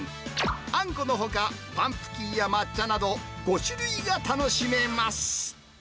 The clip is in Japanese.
あんこのほか、パンプキンや抹茶など、５種類が楽しめます。